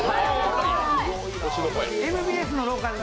ＭＢＳの廊下や！